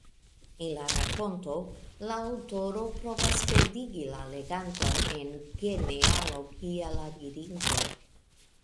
En la rakonto la aŭtoro provas perdigi la leganton en genealogia labirinto.